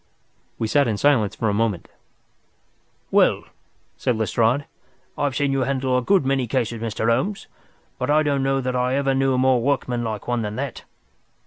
We sat in silence for a moment. "Well," said Lestrade, "I've seen you handle a good many cases, Mr. Holmes, but I don't know that I ever knew a more workmanlike one than that.